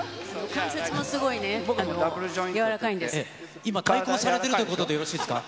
関節もすごいね、僕の柔らか今、されているということでよろしいですか？